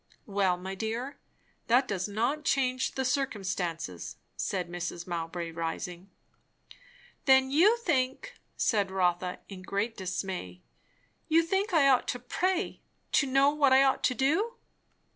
"Well, my dear, that does not change the circumstances," said Mrs. Mowbray rising. "Then you think" said Rotha in great dismay "you think I ought to pray, to know what I ought to do?"